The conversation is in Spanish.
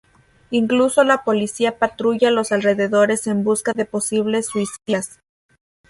Incluso la policía patrulla los alrededores en busca de posibles suicidas.